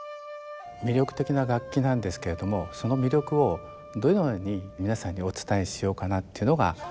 魅力的な楽器なんですけれどもその魅力をどのように皆さんにお伝えしようかなっていうのがやっぱりありまして。